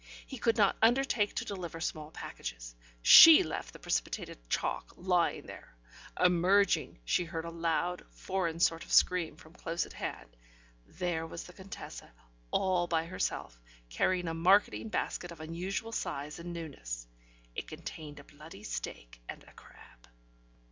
He could not undertake to deliver small packages. She left the precipitated chalk lying there. Emerging, she heard a loud, foreign sort of scream from close at hand. There was the Contessa, all by herself, carrying a marketing basket of unusual size and newness. It contained a bloody steak and a crab.